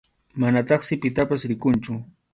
Manataqsi pitapas rikunchu.